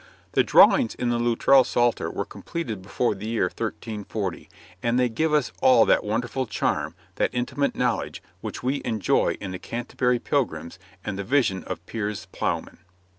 The drawings in the Loutrell Psalter were completed before the year 1340, and they give us all that wonderful charm, that intimate knowledge, which we enjoy in the 'Canterbury Pilgrims' and the 'Vision of Piers Plowman.'